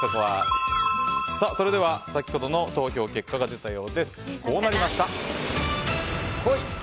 それでは先ほどの投票結果が出たようです。